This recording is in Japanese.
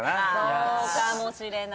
そうかもしれない。